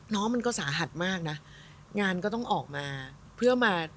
มันก็สาหัสมากนะงานก็ต้องออกมาเพื่อมา